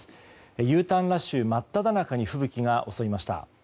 Ｕターンラッシュ真っただ中に吹雪が襲いました。